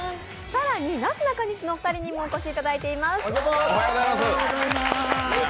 更になすなかにしのお二人にもお越しいただいています。